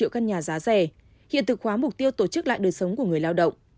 căn nhà giá rẻ hiện thực hóa mục tiêu tổ chức lại đời sống của người lao động